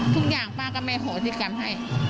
ทุกอย่างป้าก็ไม่โหสิกรรมให้